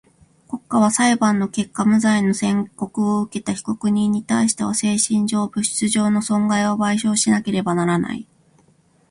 国家は裁判の結果無罪の宣告をうけた被告人にたいしては精神上、物質上の損害を賠償しなければならない。